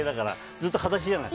ずっと裸足じゃない。